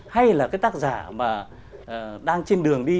hay là cái tác giả mà đang trên đường đi